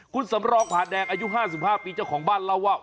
คุณสำรองผ่านแดงอายุ๕๕ปีเจ้าของบ้านเล่าว่า